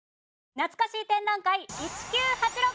なつかしー展覧会１９８６！